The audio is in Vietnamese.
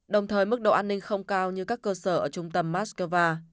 đồng thời mức độ an ninh không cao như các cơ sở ở trung tâm moscow